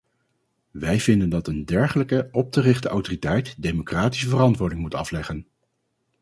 Wij vinden dat een dergelijke op te richten autoriteit democratische verantwoording moet afleggen.